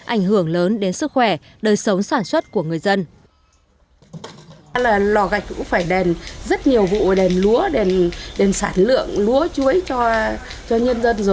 ảnh hưởng lớn đến sức khỏe đời sống sản xuất của người dân